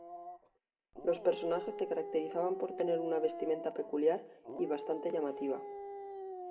Los personajes se caracterizan por tener una vestimenta peculiar y bastante llamativa.